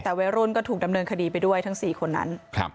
แต่วัยรุ่นก็ถูกดำเนินคดีไปด้วยทั้ง๔คนนั้น